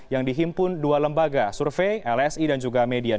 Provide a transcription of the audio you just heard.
yang dihimpun dua lembaga survei lsi dan juga median